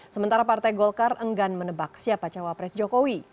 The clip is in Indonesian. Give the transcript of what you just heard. sementara partai golkar enggan menebak siapa cawapres jokowi